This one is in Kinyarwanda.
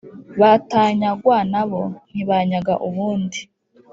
batanyagwa na bo ntibanyaga uwundi